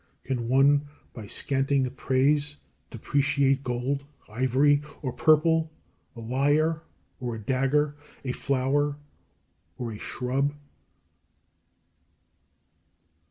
Can one by scanting praise depreciate gold, ivory, or purple, a lyre or a dagger, a flower or a shrub?